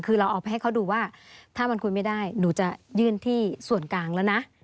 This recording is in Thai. คือเราเอาไปให้เขาดูว่าถ้ามันคุยไม่ได้หนูจะยื่นที่ส่วนกลางแล้วนะ